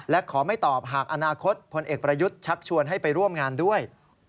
และขอไม่ตอบหากอนาคตพลเอกประยุทธ์ชักชวนให้ไปร่วมงานด้วย